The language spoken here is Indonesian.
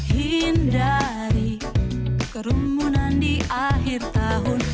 hindari kerumunan di akhir tahun